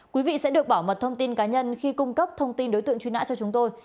quý vị sẽ được bảo mật thông tin cá nhân khi cung cấp thông tin đối tượng truy nã cho chúng tôi